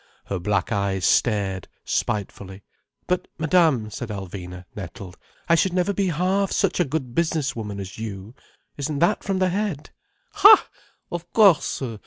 Her black eyes stared spitefully. "But Madame," said Alvina, nettled, "I should never be half such a good business woman as you. Isn't that from the head?" "Ha! of course!